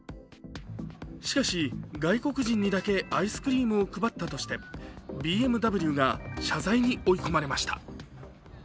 しかし、外国人にだけアイスクリームを配ったとしてＢＭＷが謝罪に追い込まれました。